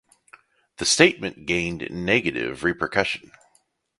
The statement gained negative repercussion.